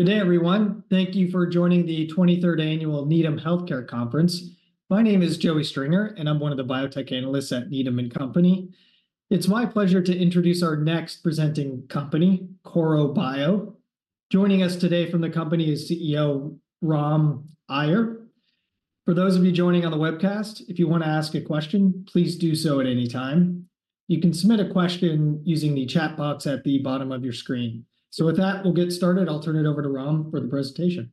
Good day, everyone. Thank you for joining the 23rd annual Needham Healthcare Conference. My name is Joey Stringer, and I'm one of the biotech analysts at Needham & Company. It's my pleasure to introduce our next presenting company, Korro Bio. Joining us today from the company is CEO Ram Aiyar. For those of you joining on the webcast, if you want to ask a question, please do so at any time. You can submit a question using the chat box at the bottom of your screen. With that, we'll get started. I'll turn it over to Ram for the presentation.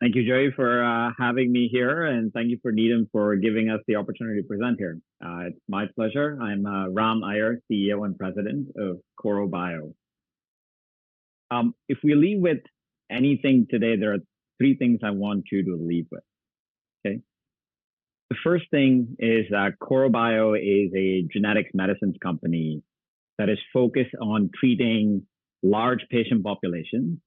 Thank you, Joey, for having me here, and thank you for Needham for giving us the opportunity to present here. It's my pleasure. I'm Ram Aiyar, CEO and President of Korro Bio. If we leave with anything today, there are three things I want you to leave with, okay? The first thing is that Korro Bio is a genetic medicines company that is focused on treating large patient populations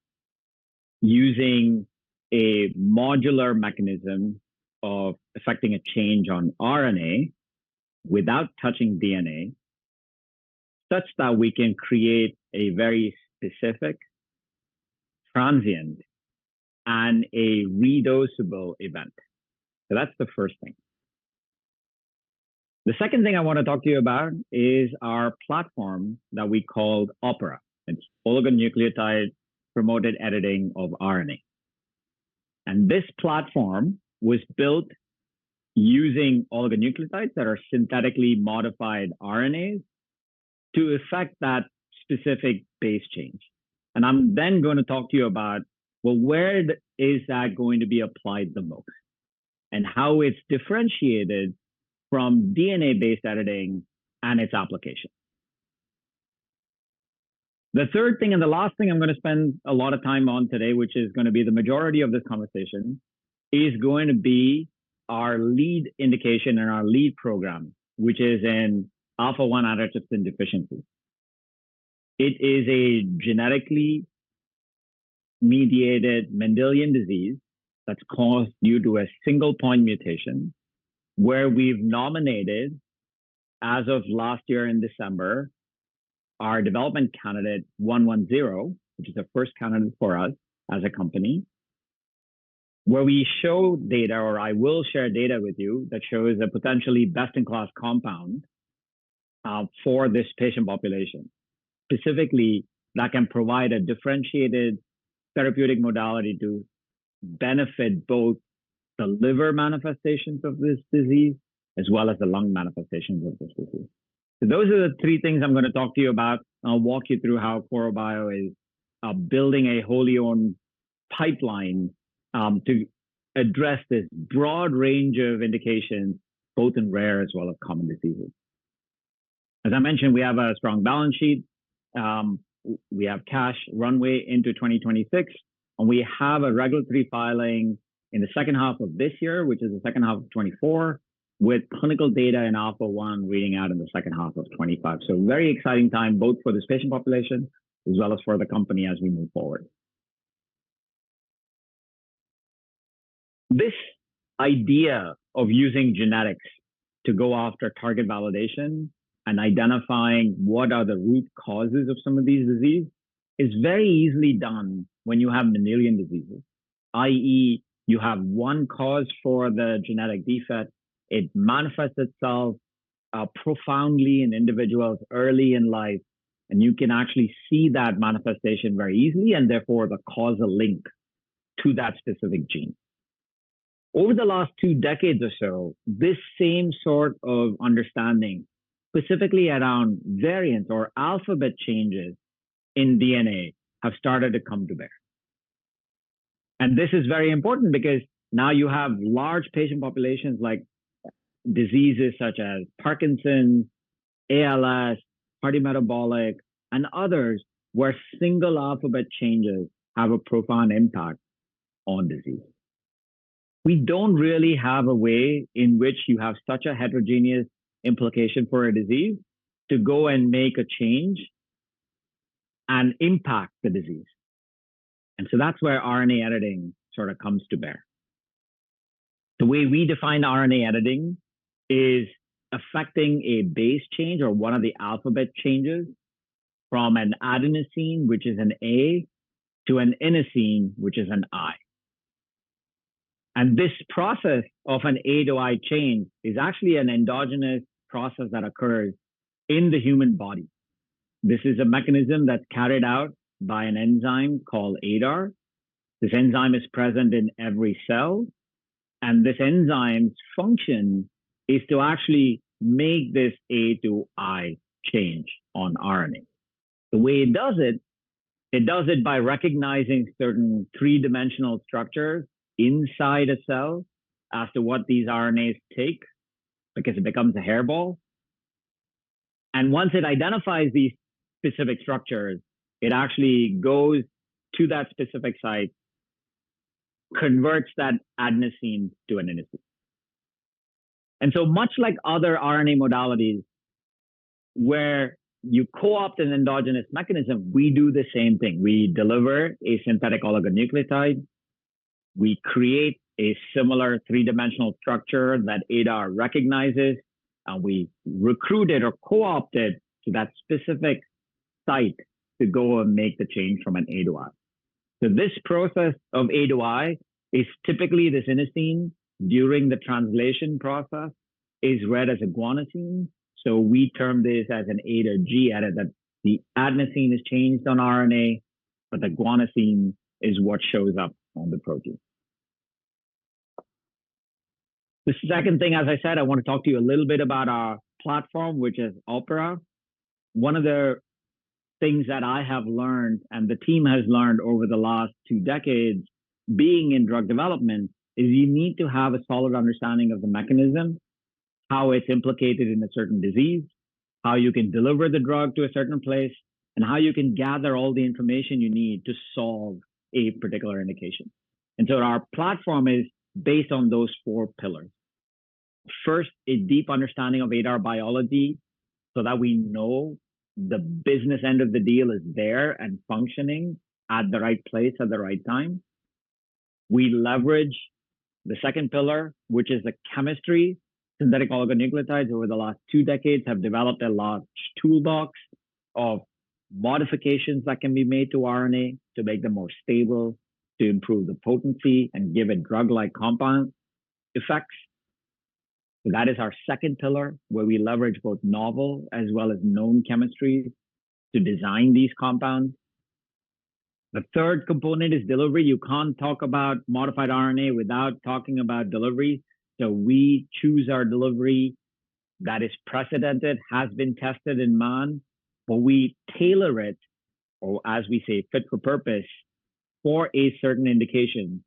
using a modular mechanism of effecting a change on RNA without touching DNA, such that we can create a very specific transient and a redosable event. So that's the first thing. The second thing I want to talk to you about is our platform that we called OPERA. It's oligonucleotide-promoted editing of RNA. And this platform was built using oligonucleotides that are synthetically modified RNAs to effect that specific base change. I'm then going to talk to you about, well, where is that going to be applied the most, and how it's differentiated from DNA-based editing and its application. The third thing and the last thing I'm going to spend a lot of time on today, which is going to be the majority of this conversation, is going to be our lead indication and our lead program, which is in alpha-1 antitrypsin deficiency. It is a genetically mediated Mendelian disease that's caused due to a single point mutation, where we've nominated, as of last year in December, our development candidate 110, which is the first candidate for us as a company, where we show data or I will share data with you that shows a potentially best-in-class compound for this patient population. Specifically, that can provide a differentiated therapeutic modality to benefit both the liver manifestations of this disease as well as the lung manifestations of this disease. So those are the three things I'm going to talk to you about, and I'll walk you through how Korro Bio is building a wholly-owned pipeline to address this broad range of indications, both in rare as well as common diseases. As I mentioned, we have a strong balance sheet. We have cash runway into 2026, and we have a regulatory filing in the second half of this year, which is the second half of 2024, with clinical data in alpha-1 reading out in the second half of 2025. So very exciting time, both for this patient population as well as for the company as we move forward. This idea of using genetics to go after target validation and identifying what are the root causes of some of these diseases is very easily done when you have Mendelian diseases, i.e., you have one cause for the genetic defect. It manifests itself profoundly in individuals early in life, and you can actually see that manifestation very easily and therefore the causal link to that specific gene. Over the last two decades or so, this same sort of understanding, specifically around variants or alphabet changes in DNA, has started to come to bear. And this is very important because now you have large patient populations like diseases such as Parkinson's, ALS, cardiometabolic, and others where single alphabet changes have a profound impact on disease. We don't really have a way in which you have such a heterogeneous implication for a disease to go and make a change and impact the disease. And so that's where RNA editing sort of comes to bear. The way we define RNA editing is affecting a base change or one of the alphabet changes from an adenosine, which is an A, to an inosine, which is an I. And this process of an A to I change is actually an endogenous process that occurs in the human body. This is a mechanism that's carried out by an enzyme called ADAR. This enzyme is present in every cell, and this enzyme's function is to actually make this A to I change on RNA. The way it does it, it does it by recognizing certain three-dimensional structures inside a cell as to what these RNAs take because it becomes a hairpin. And once it identifies these specific structures, it actually goes to that specific site, converts that adenosine to an inosine. And so much like other RNA modalities where you co-opt an endogenous mechanism, we do the same thing. We deliver a synthetic oligonucleotide. We create a similar three-dimensional structure that ADAR recognizes, and we recruited or co-opted to that specific site to go and make the change from an A to I. So this process of A to I is typically this inosine during the translation process is read as a guanosine. So we term this as an A to G edit that the adenosine is changed on RNA, but the guanosine is what shows up on the protein. The second thing, as I said, I want to talk to you a little bit about our platform, which is OPERA. One of the things that I have learned and the team has learned over the last two decades being in drug development is you need to have a solid understanding of the mechanism, how it's implicated in a certain disease, how you can deliver the drug to a certain place, and how you can gather all the information you need to solve a particular indication. And so our platform is based on those four pillars. First, a deep understanding of ADAR biology so that we know the business end of the deal is there and functioning at the right place at the right time. We leverage the second pillar, which is the chemistry. Synthetic oligonucleotides over the last two decades have developed a large toolbox of modifications that can be made to RNA to make them more stable, to improve the potency, and give it drug-like compound effects. So that is our second pillar, where we leverage both novel as well as known chemistries to design these compounds. The third component is delivery. You can't talk about modified RNA without talking about delivery. So we choose our delivery that is precedented, has been tested in man, but we tailor it, or as we say, fit for purpose, for a certain indication.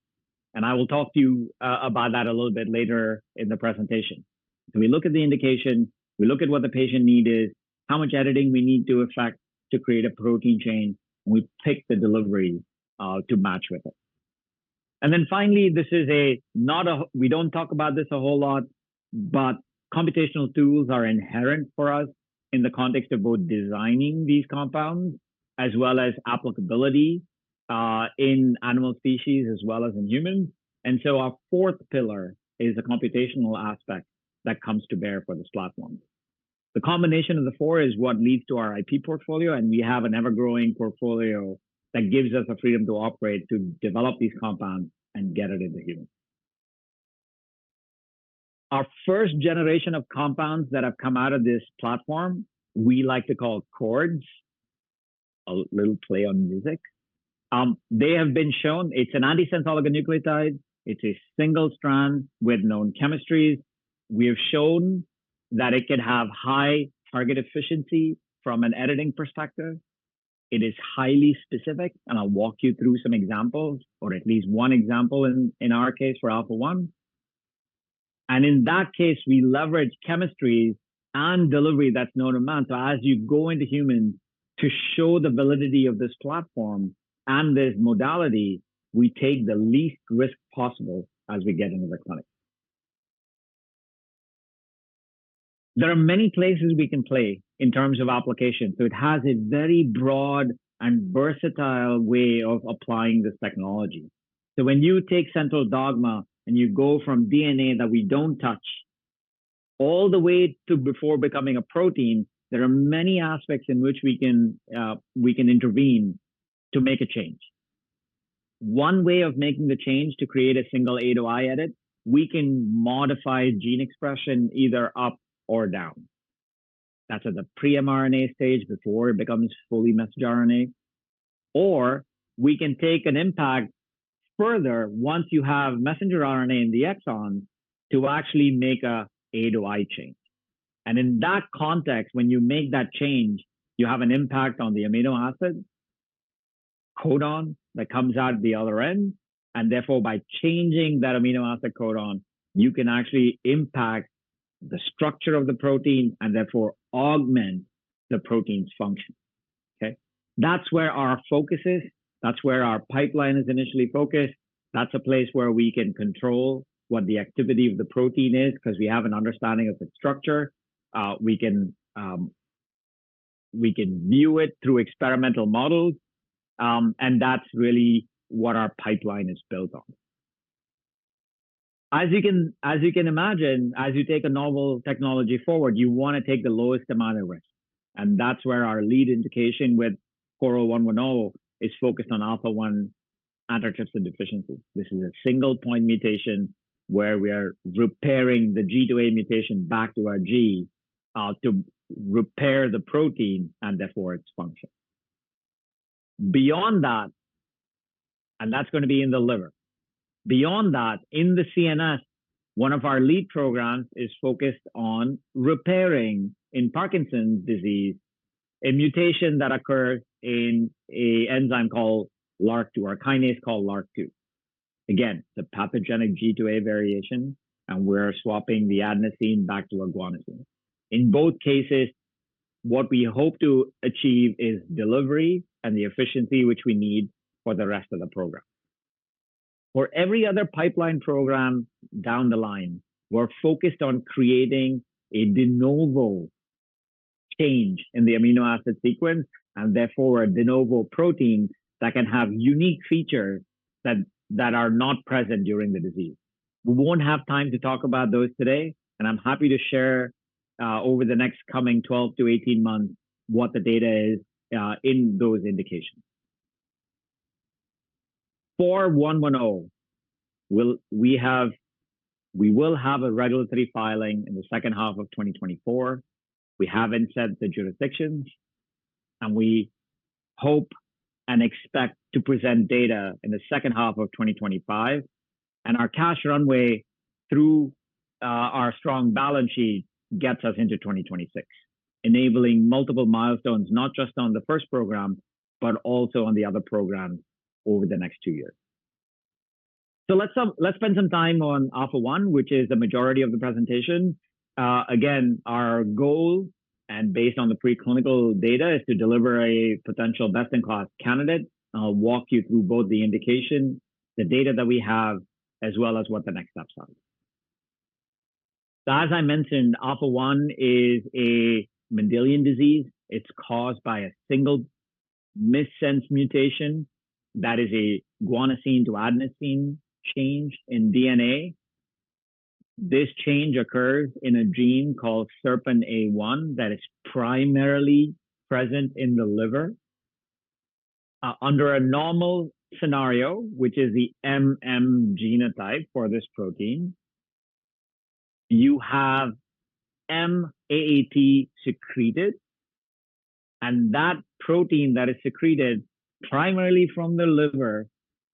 I will talk to you about that a little bit later in the presentation. So we look at the indication, we look at what the patient need is, how much editing we need to effect to create a protein change, and we pick the delivery to match with it. Finally, this is not a we don't talk about this a whole lot, but computational tools are inherent for us in the context of both designing these compounds as well as applicability in animal species as well as in humans. So our fourth pillar is the computational aspect that comes to bear for this platform. The combination of the four is what leads to our IP portfolio, and we have an ever-growing portfolio that gives us the freedom to operate, to develop these compounds, and get it into humans. Our first generation of compounds that have come out of this platform, we like to call CHORDs, a little play on music. They have been shown. It's an antisense oligonucleotide. It's a single strand with known chemistries. We have shown that it could have high target efficiency from an editing perspective. It is highly specific, and I'll walk you through some examples, or at least one example in our case for alpha-1. In that case, we leverage chemistries and delivery that's known to man. So as you go into humans, to show the validity of this platform and this modality, we take the least risk possible as we get into the clinic. There are many places we can play in terms of application. So it has a very broad and versatile way of applying this technology. So when you take central dogma and you go from DNA that we don't touch all the way to before becoming a protein, there are many aspects in which we can intervene to make a change. One way of making the change to create a single A to I edit, we can modify gene expression either up or down. That's at the pre-mRNA stage before it becomes fully messenger RNA. Or we can take an impact further once you have messenger RNA in the exons to actually make an A to I change. And in that context, when you make that change, you have an impact on the amino acid codon that comes out the other end. And therefore, by changing that amino acid codon, you can actually impact the structure of the protein and therefore augment the protein's function, okay? That's where our focus is. That's where our pipeline is initially focused. That's a place where we can control what the activity of the protein is because we have an understanding of its structure. We can view it through experimental models, and that's really what our pipeline is built on. As you can imagine, as you take a novel technology forward, you want to take the lowest amount of risk. And that's where our lead indication with Korro 110 is focused on alpha-1 antitrypsin deficiency. This is a single point mutation where we are repairing the G to A mutation back to a G to repair the protein and therefore its function. And that's going to be in the liver. Beyond that, in the CNS, one of our lead programs is focused on repairing, in Parkinson's disease, a mutation that occurs in an enzyme called LRRK2 or a kinase called LRRK2. Again, it's a pathogenic G to A variation, and we're swapping the adenosine back to a guanosine. In both cases, what we hope to achieve is delivery and the efficiency which we need for the rest of the program. For every other pipeline program down the line, we're focused on creating a de novo change in the amino acid sequence and therefore a de novo protein that can have unique features that are not present during the disease. We won't have time to talk about those today, and I'm happy to share over the next coming 12-18 months what the data is in those indications. For 110, we will have a regulatory filing in the second half of 2024. We haven't set the jurisdictions, and we hope and expect to present data in the second half of 2025. Our cash runway through our strong balance sheet gets us into 2026, enabling multiple milestones, not just on the first program, but also on the other programs over the next two years. Let's spend some time on alpha-1, which is the majority of the presentation. Again, our goal, and based on the preclinical data, is to deliver a potential best-in-class candidate, walk you through both the indication, the data that we have, as well as what the next steps are. So as I mentioned, alpha-1 is a Mendelian disease. It's caused by a single missense mutation that is a guanosine to adenosine change in DNA. This change occurs in a gene called SERPINA1 that is primarily present in the liver. Under a normal scenario, which is the genotype for this protein, you have M-AAT secreted. And that protein that is secreted primarily from the liver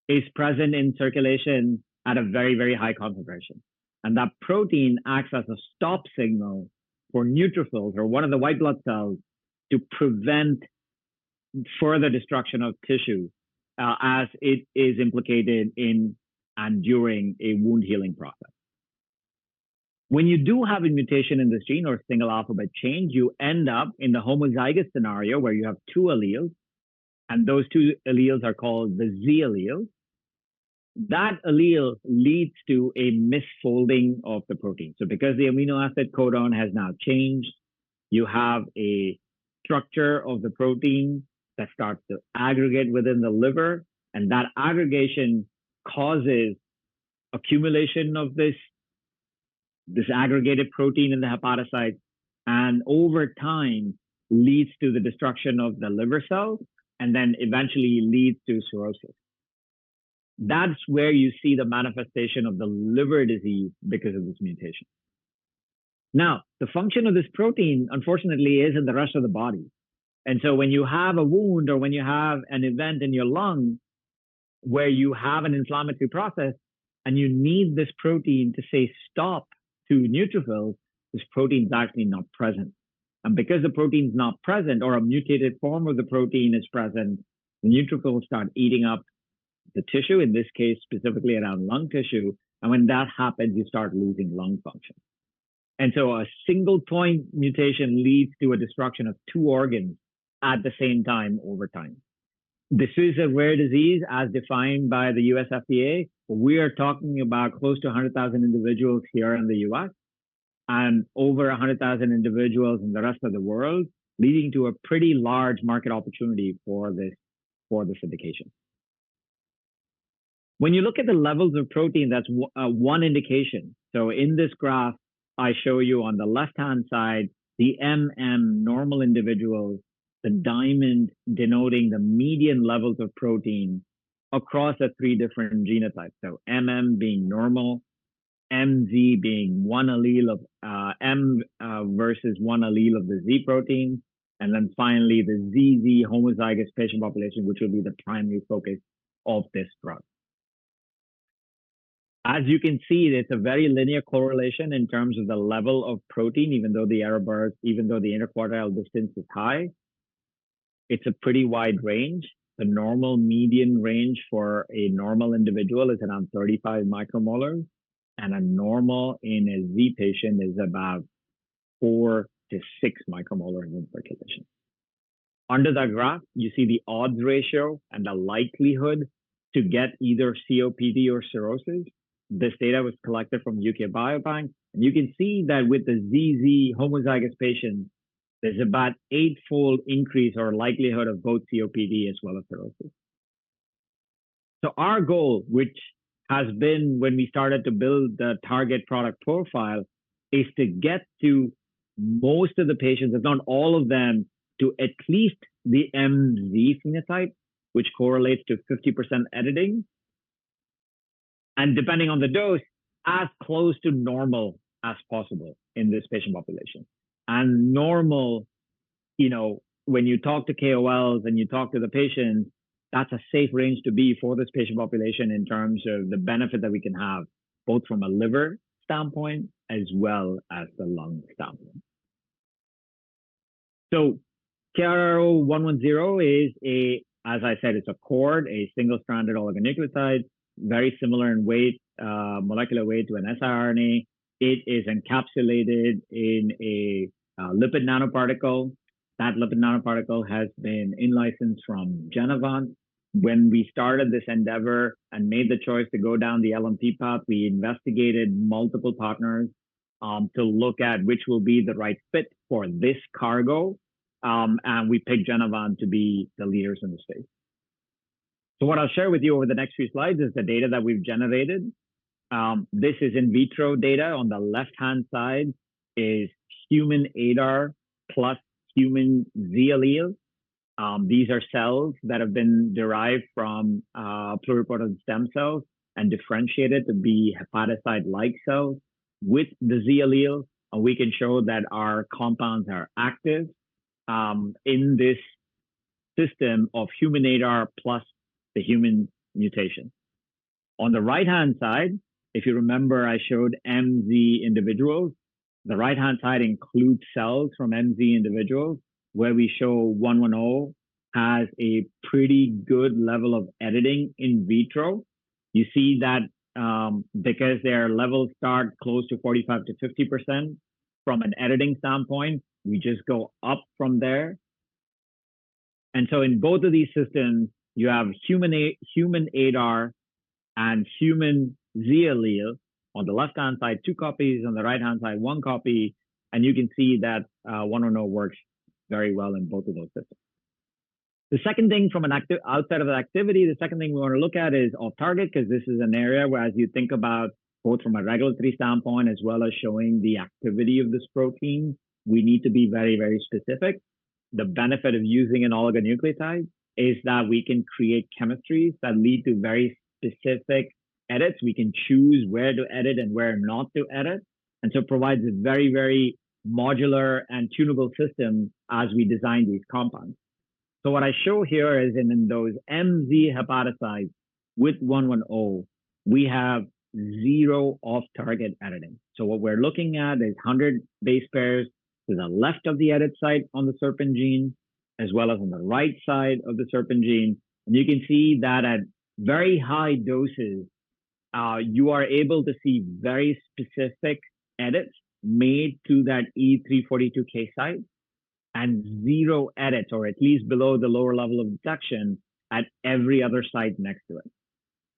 is present in circulation at a very, very high concentration. And that protein acts as a stop signal for neutrophils or one of the white blood cells to prevent further destruction of tissue as it is implicated in and during a wound healing process. When you do have a mutation in this gene or a single letter change, you end up in the homozygous scenario where you have two alleles, and those two alleles are called the Z alleles. That allele leads to a misfolding of the protein. So because the amino acid codon has now changed, you have a structure of the protein that starts to aggregate within the liver, and that aggregation causes accumulation of this aggregated protein in the hepatocytes and over time leads to the destruction of the liver cells and then eventually leads to cirrhosis. That's where you see the manifestation of the liver disease because of this mutation. Now, the function of this protein, unfortunately, is in the rest of the body. So when you have a wound or when you have an event in your lung where you have an inflammatory process and you need this protein to say stop to neutrophils, this protein's actually not present. And because the protein's not present or a mutated form of the protein is present, the neutrophils start eating up the tissue, in this case, specifically around lung tissue. And when that happens, you start losing lung function. And so a single point mutation leads to a destruction of two organs at the same time over time. This is a rare disease as defined by the U.S. FDA. We are talking about close to 100,000 individuals here in the US and over 100,000 individuals in the rest of the world, leading to a pretty large market opportunity for this indication. When you look at the levels of protein, that's one indication. So in this graph, I show you on the left-hand side the normal individuals, the diamond denoting the median levels of protein across the three different genotypes. So being normal, MZ being one allele of M versus one allele of the Z protein, and then finally the ZZ homozygous patient population, which will be the primary focus of this drug. As you can see, there's a very linear correlation in terms of the level of protein, even though the error bars, even though the interquartile distance is high, it's a pretty wide range. The normal median range for a normal individual is around 35 micromolar, and a normal in a Z patient is about 4-6 micromolar in circulation. Under that graph, you see the odds ratio and the likelihood to get either COPD or cirrhosis. This data was collected from UK Biobank, and you can see that with the ZZ homozygous patients, there's about an eightfold increase or likelihood of both COPD as well as cirrhosis. So our goal, which has been when we started to build the target product profile, is to get to most of the patients, if not all of them, to at least the MZ phenotype, which correlates to 50% editing, and depending on the dose, as close to normal as possible in this patient population. And normal, when you talk to KOLs and you talk to the patients, that's a safe range to be for this patient population in terms of the benefit that we can have both from a liver standpoint as well as the lung standpoint. So Korro-110 is a, as I said, it's a CORD, a single-stranded oligonucleotide, very similar in weight, molecular weight to an siRNA. It is encapsulated in a lipid nanoparticle. That lipid nanoparticle has been in-licensed from Genevant. When we started this endeavor and made the choice to go down the LNP path, we investigated multiple partners to look at which will be the right fit for this cargo, and we picked Genevant to be the leaders in the space. So what I'll share with you over the next few slides is the data that we've generated. This is in vitro data. On the left-hand side is human ADAR plus human Z alleles. These are cells that have been derived from pluripotent stem cells and differentiated to be hepatocyte-like cells with the Z alleles. We can show that our compounds are active in this system of human ADAR plus the human mutation. On the right-hand side, if you remember, I showed MZ individuals. The right-hand side includes cells from MZ individuals where we show 110 has a pretty good level of editing in vitro. You see that because their levels start close to 45%-50% from an editing standpoint, we just go up from there. And so in both of these systems, you have human ADAR and human Z alleles. On the left-hand side, two copies. On the right-hand side, one copy. And you can see that 110 works very well in both of those systems. The second thing from an outside of the activity, the second thing we want to look at is off-target because this is an area where, as you think about both from a regulatory standpoint as well as showing the activity of this protein, we need to be very, very specific. The benefit of using an oligonucleotide is that we can create chemistries that lead to very specific edits. We can choose where to edit and where not to edit. And so it provides a very, very modular and tunable system as we design these compounds. So what I show here is in those MZ hepatocytes with 110, we have zero off-target editing. So what we're looking at is 100 base pairs to the left of the edit site on the SERPINA1 gene as well as on the right side of the SERPINA1 gene. You can see that at very high doses, you are able to see very specific edits made to that E342K site and zero edits or at least below the lower level of detection at every other site next to it,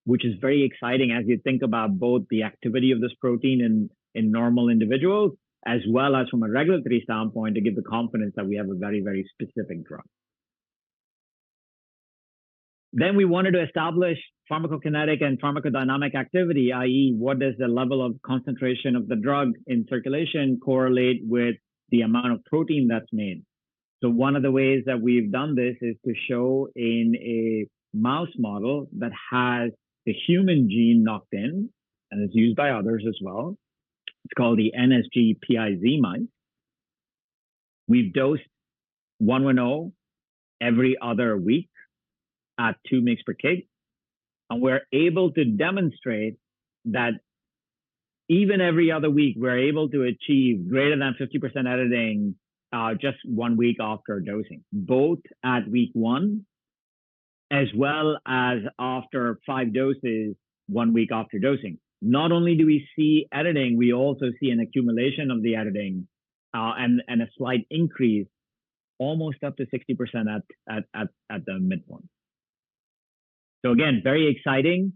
which is very exciting as you think about both the activity of this protein in normal individuals as well as from a regulatory standpoint to give the confidence that we have a very, very specific drug. Then we wanted to establish pharmacokinetic and pharmacodynamic activity, i.e., what does the level of concentration of the drug in circulation correlate with the amount of protein that's made? So one of the ways that we've done this is to show in a mouse model that has the human gene knocked in and is used by others as well. It's called the NSG-PiZ mouse. We've dosed 110 every other week at 2 mg/kg. We're able to demonstrate that even every other week, we're able to achieve greater than 50% editing just 1 week after dosing, both at week 1 as well as after 5 doses, 1 week after dosing. Not only do we see editing, we also see an accumulation of the editing and a slight increase, almost up to 60% at the midpoint. So again, very exciting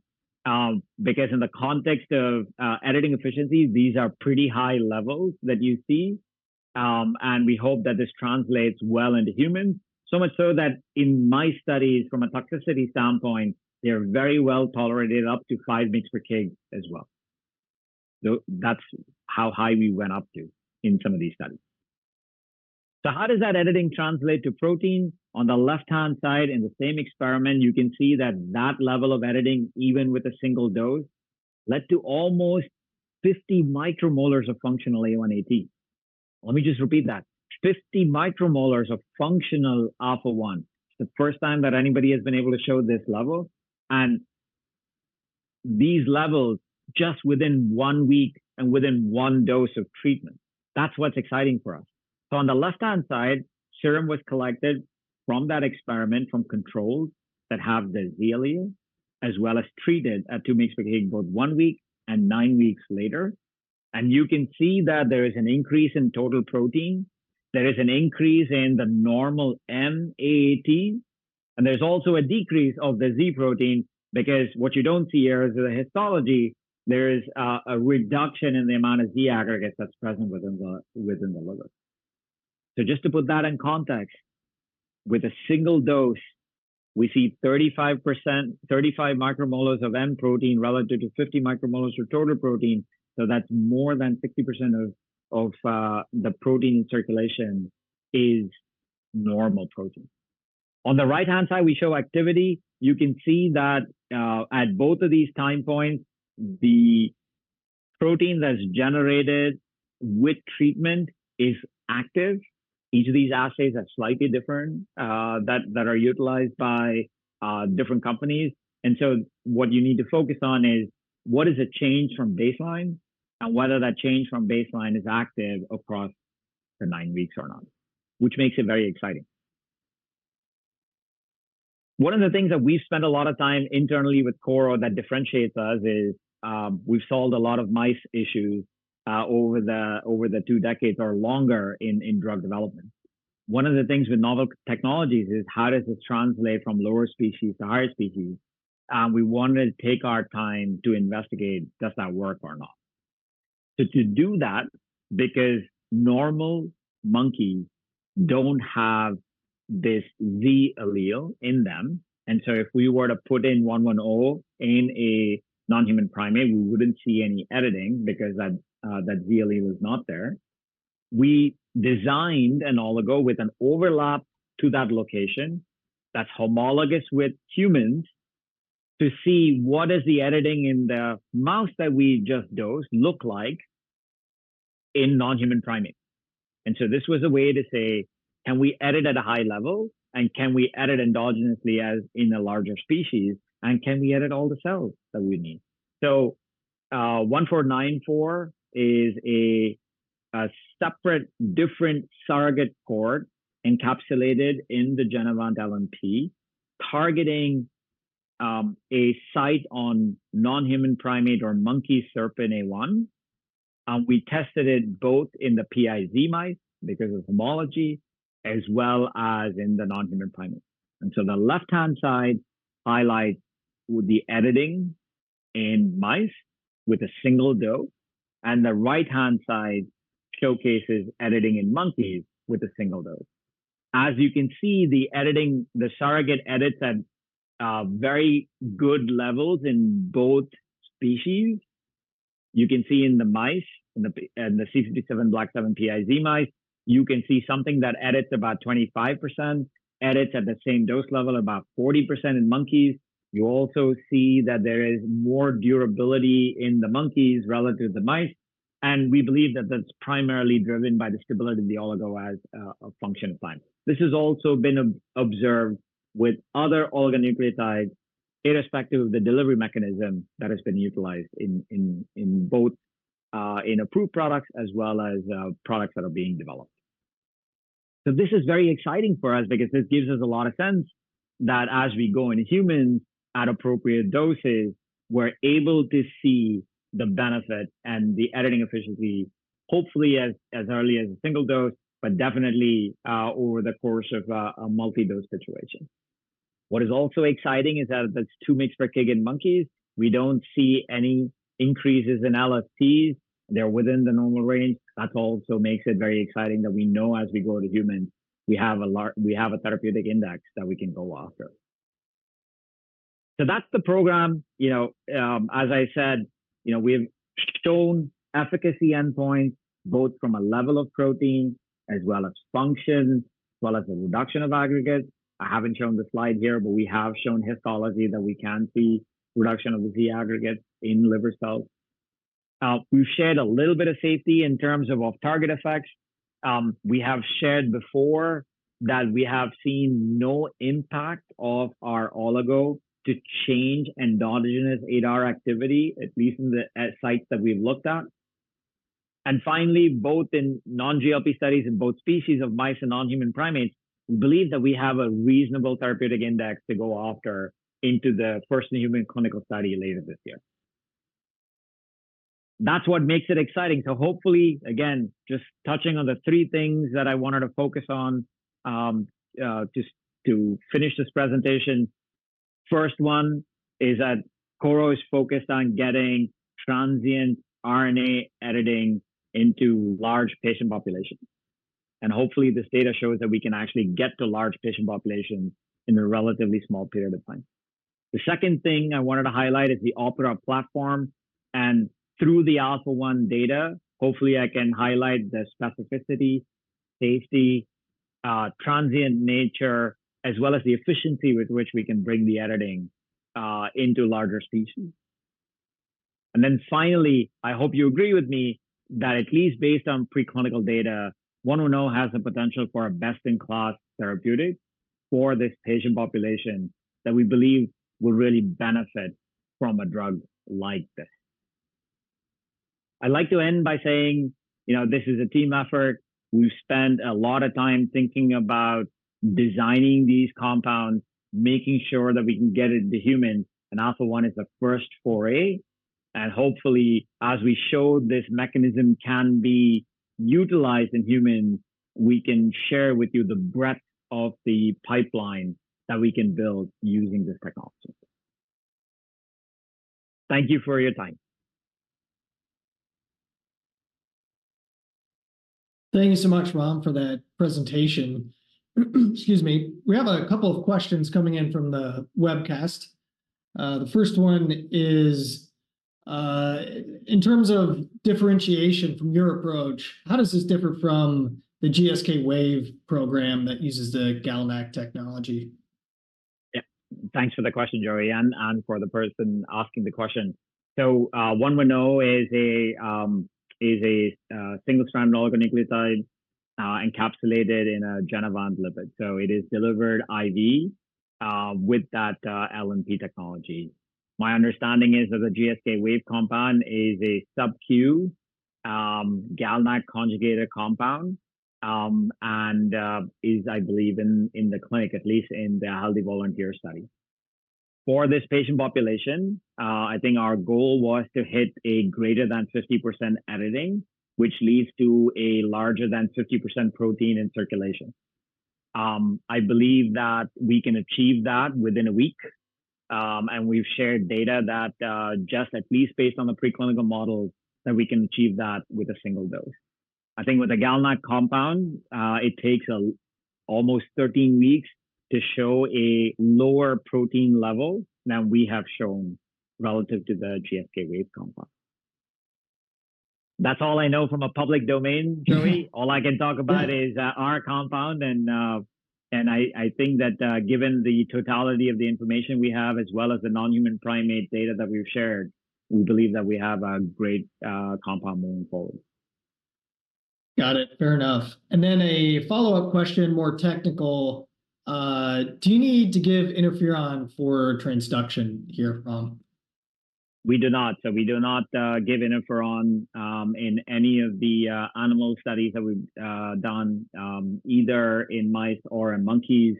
because in the context of editing efficiencies, these are pretty high levels that you see. We hope that this translates well into humans, so much so that in my studies, from a toxicity standpoint, they're very well tolerated up to 5 mg/kg as well. That's how high we went up to in some of these studies. How does that editing translate to protein? On the left-hand side, in the same experiment, you can see that that level of editing, even with a single dose, led to almost 50 micromolar of functional A1AT. Let me just repeat that, 50 micromolar of functional alpha-1. It's the first time that anybody has been able to show this level. And these levels just within one week and within one dose of treatment, that's what's exciting for us. So on the left-hand side, serum was collected from that experiment, from controls that have the Z alleles, as well as treated at 2 mg/kg, both one week and 9 weeks later. And you can see that there is an increase in total protein. There is an increase in the normal M-AAT. There's also a decrease of the Z protein because what you don't see here is in the histology, there is a reduction in the amount of Z aggregates that's present within the liver. So just to put that in context, with a single dose, we see 35 micromolar of M protein relative to 50 micromolars of total protein. That's more than 60% of the protein in circulation is normal protein. On the right-hand side, we show activity. You can see that at both of these time points, the protein that's generated with treatment is active. Each of these assays are slightly different that are utilized by different companies. So what you need to focus on is what is a change from baseline and whether that change from baseline is active across the nine weeks or not, which makes it very exciting. One of the things that we've spent a lot of time internally with Korro that differentiates us is we've solved a lot of mice issues over the two decades or longer in drug development. One of the things with novel technologies is how does this translate from lower species to higher species? And we wanted to take our time to investigate does that work or not. So to do that, because normal monkeys don't have this Z allele in them. And so if we were to put in 110 in a non-human primate, we wouldn't see any editing because that Z allele is not there. We designed an oligo with an overlap to that location that's homologous with humans to see what does the editing in the mouse that we just dosed look like in non-human primates. This was a way to say, can we edit at a high level, and can we edit endogenously as in a larger species, and can we edit all the cells that we need? 1494 is a separate, different surrogate CORD encapsulated in the Genevant LNP, targeting a site on non-human primate or monkey SERPINA1. We tested it both in the PiZ mice because of homology as well as in the non-human primates. The left-hand side highlights the editing in mice with a single dose, and the right-hand side showcases editing in monkeys with a single dose. As you can see, the surrogate edits at very good levels in both species. You can see in the mice, in the C57BL/6 PiZ mice, you can see something that edits about 25%, edits at the same dose level, about 40% in monkeys. You also see that there is more durability in the monkeys relative to the mice. We believe that that's primarily driven by the stability of the oligo as a function of time. This has also been observed with other oligonucleotides, irrespective of the delivery mechanism that has been utilized in both approved products as well as products that are being developed. This is very exciting for us because this gives us a lot of sense that as we go into humans at appropriate doses, we're able to see the benefit and the editing efficiency, hopefully as early as a single dose, but definitely over the course of a multi-dose situation. What is also exciting is that that's 2 mg/kg in monkeys. We don't see any increases in LFTs. They're within the normal range. That also makes it very exciting that we know as we go to humans, we have a therapeutic index that we can go after. So that's the program. As I said, we've shown efficacy endpoints both from a level of protein as well as function as well as a reduction of aggregates. I haven't shown the slide here, but we have shown histology that we can see reduction of the Z aggregates in liver cells. We've shared a little bit of safety in terms of off-target effects. We have shared before that we have seen no impact of our oligo to change endogenous ADAR activity, at least in the sites that we've looked at. And finally, both in non-GLP studies in both species of mice and non-human primates, we believe that we have a reasonable therapeutic index to go after into the first-in-human clinical study later this year. That's what makes it exciting. So hopefully, again, just touching on the three things that I wanted to focus on to finish this presentation. First one is that Korro is focused on getting transient RNA editing into large patient populations. And hopefully, this data shows that we can actually get to large patient populations in a relatively small period of time. The second thing I wanted to highlight is the OPERA platform. And through the Alpha-1 data, hopefully, I can highlight the specificity, safety, transient nature, as well as the efficiency with which we can bring the editing into larger species. And then finally, I hope you agree with me that at least based on preclinical data, 110 has the potential for a best-in-class therapeutic for this patient population that we believe will really benefit from a drug like this. I'd like to end by saying this is a team effort. We've spent a lot of time thinking about designing these compounds, making sure that we can get it to humans. Alpha-1 is the first foray. Hopefully, as we showed this mechanism can be utilized in humans, we can share with you the breadth of the pipeline that we can build using this technology. Thank you for your time. Thank you so much, Ram, for that presentation. Excuse me. We have a couple of questions coming in from the webcast. The first one is, in terms of differentiation from your approach, how does this differ from the GSK WAVE program that uses the GalNAc technology? Yeah. Thanks for the question, Joey, and for the person asking the question. So 110 is a single-strand oligonucleotide encapsulated in a Genevant lipid. So it is delivered IV with that LNP technology. My understanding is that the GSK WAVE compound is a sub-Q GalNAc conjugated compound and is, I believe, in the clinic, at least in the Healthy Volunteer study. For this patient population, I think our goal was to hit a greater than 50% editing, which leads to a larger than 50% protein in circulation. I believe that we can achieve that within a week. We've shared data that just at least based on the preclinical models, that we can achieve that with a single dose. I think with a GalNAc compound, it takes almost 13 weeks to show a lower protein level than we have shown relative to the GSK WAVE compound. That's all I know from a public domain, Joey. All I can talk about is our compound. I think that given the totality of the information we have, as well as the non-human primate data that we've shared, we believe that we have a great compound moving forward. Got it. Fair enough. And then a follow-up question, more technical. Do you need to give interferon for transduction here, Ram? We do not. So we do not give interferon in any of the animal studies that we've done, either in mice or in monkeys.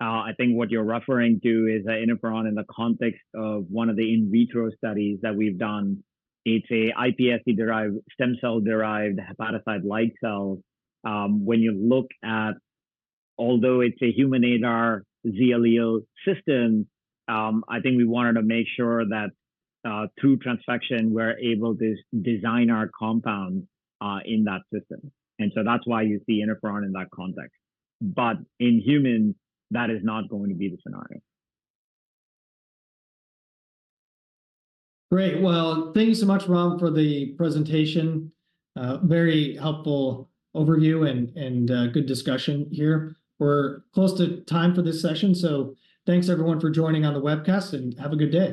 I think what you're referring to is interferon in the context of one of the in vitro studies that we've done. It's an iPSC-derived, stem cell-derived hepatocyte-like cell. When you look at although it's a human ADAR Z allele system, I think we wanted to make sure that through transfection, we're able to design our compound in that system. And so that's why you see interferon in that context. But in humans, that is not going to be the scenario. Great. Well, thank you so much, Ram, for the presentation. Very helpful overview and good discussion here. We're close to time for this session. So thanks, everyone, for joining on the webcast, and have a good day.